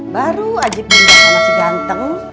baru aja pindah sama si ganteng